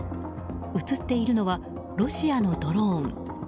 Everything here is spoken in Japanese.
映っているのはロシアのドローン。